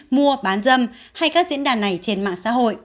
mua bán dâm hay các diễn đàn này trên mạng xã hội